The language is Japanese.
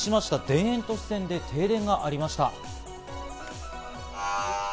田園都市線で停電がありました。